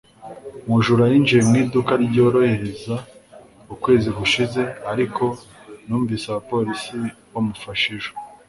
Umujura yinjiye mu iduka ryorohereza ukwezi gushize ariko numvise abapolisi bamufashe ejo